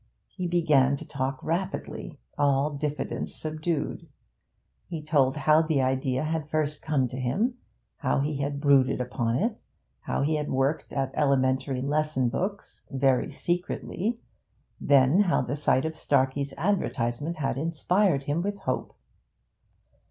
He began to talk rapidly, all diffidence subdued. He told how the idea had first come to him, how he had brooded upon it, how he had worked at elementary lesson books, very secretly then how the sight of Starkey's advertisement had inspired him with hope.